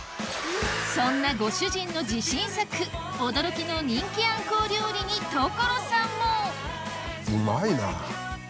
そんなご主人の自信作驚きの人気あんこう料理に所